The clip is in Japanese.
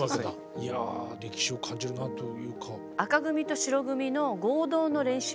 いや歴史を感じるなというか。